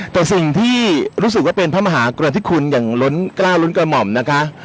แต่สิ่งที่รู้สึกว่าเป็นพระมหากรณฑิคุณอย่างล้นกล้าวล้นกระหม่อมนะคะ